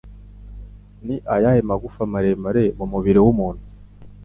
Ni ayahe magufa maremare mu mubiri w'umuntu?